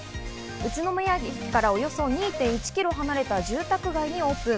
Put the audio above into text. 宇都宮駅からおよそ２．１ｋｍ離れた住宅街にオープン。